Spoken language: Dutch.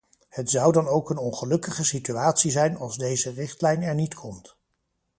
Het zou dan ook een ongelukkige situatie zijn als deze richtlijn er niet komt.